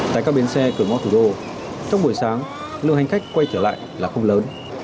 tại các bến xe cửa ngõ thủ đô trong buổi sáng lượng hành khách quay trở lại là không lớn